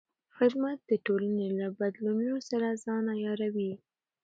خدمت د ټولنې له بدلونونو سره ځان عیاروي.